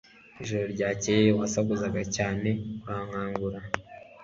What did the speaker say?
Ijoro ryakeye wasakuzaga cyane urankangura